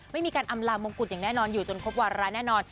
ไม่มีการอำลามงกุฎอย่างแน่นอนอยู่จนครบวาระแน่นอน